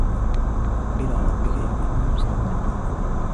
إلى ربك يومئذ المستقر